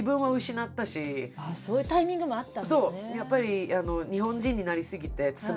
そういうタイミングもあったんですね。